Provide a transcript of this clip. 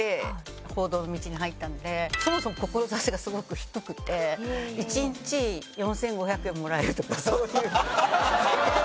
そもそも志がすごく低くて一日４５００円もらえるとかそういう。